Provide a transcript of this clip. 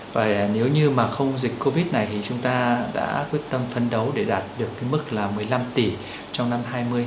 và nếu như mà không dịch covid một mươi chín này thì chúng ta đã quyết tâm phấn đấu để đạt được mức là một mươi năm tỷ trong năm hai nghìn hai mươi